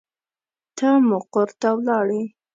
ته مقر ته ولاړې.